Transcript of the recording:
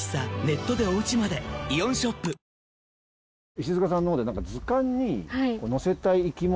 ・石塚さんのほうで。